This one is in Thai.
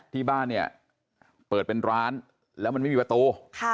ที่บ้านเนี่ยเปิดเป็นร้านแล้วมันไม่มีประตู